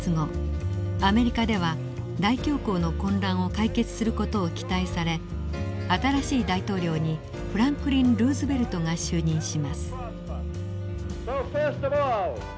アメリカでは大恐慌の混乱を解決する事を期待され新しい大統領にフランクリン・ルーズベルトが就任します。